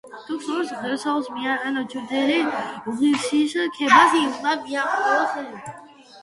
თუ გსურს ღირსეულს მიაყენო ჩრდილი, უღირსის ქებას უნდა მიჰყო ხელი.